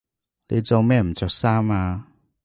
你做咩唔着衫呀？